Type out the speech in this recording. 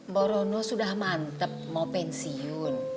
borono sudah mantep mau pensiun